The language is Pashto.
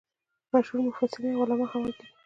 مشهور مفسرین او علما همغږي دي.